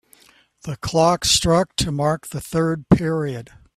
The clock struck to mark the third period.